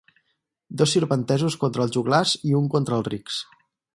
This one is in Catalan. Dos sirventesos contra els joglars i un contra els rics.